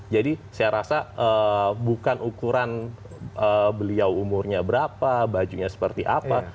jadi saya rasa bukan ukuran beliau umurnya berapa bajunya seperti apa